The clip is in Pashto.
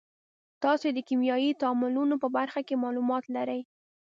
تاسې د کیمیاوي تعاملونو په برخه کې معلومات لرئ.